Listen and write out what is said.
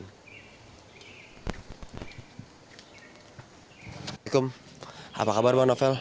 waalaikumsalam apa kabar bang novel